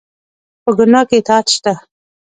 په ګناه کې اطاعت شته؟